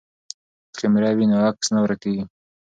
که کیمره وي نو عکس نه ورکیږي.